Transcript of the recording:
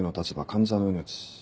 患者の命。